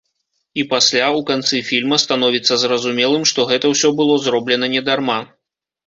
І пасля, у канцы фільма, становіцца зразумелым, што гэта ўсё было зроблена не дарма.